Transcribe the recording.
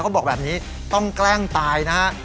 บอกแบบนี้ต้องแกล้งตายนะฮะ